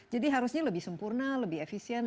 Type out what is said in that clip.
jadi harusnya lebih sempurna lebih efisien